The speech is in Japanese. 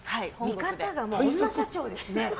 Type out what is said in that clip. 見方が女社長ですね。